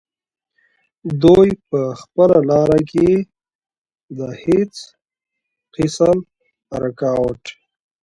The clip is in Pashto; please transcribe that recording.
دوي پۀ خپله لاره کښې د هيڅ قسم رکاوټ